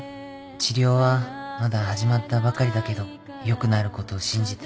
治療はまだ始まったばかりだけどよくなることを信じて。